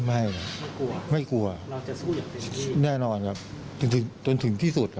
ไม่โยยไม่กลัวแน่นอนครับจนถึงที่สุด